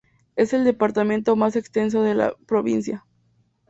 Es el departamento más extenso de la provincia.